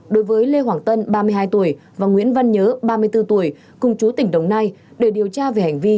đối với lê hoàng tân ba mươi hai tuổi và nguyễn văn nhớ ba mươi bốn tuổi cùng chú tỉnh đồng nai để điều tra về hành vi